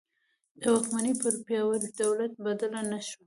د واکمني پر یوه پیاوړي دولت بدله نه شوه.